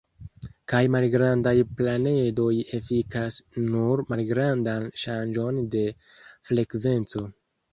Kaj malgrandaj planedoj efikas nur malgrandan ŝanĝon de frekvenco.